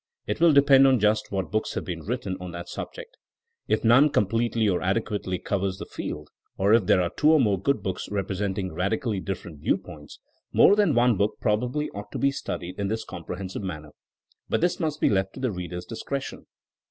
It will depend on just what books have been written on that subject. If none completely or adequately covers the field, or if there are two or more good books repre senting radically different viewpoints, more than one book probably ought to be studied in THINKINO AS A SCIENCE 173 this comprehensive manner. But this must be left to the reader's discretion.